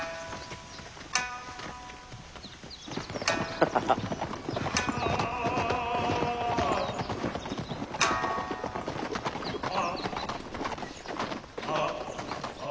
ハハハッ！あ。